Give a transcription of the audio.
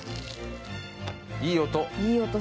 いい音。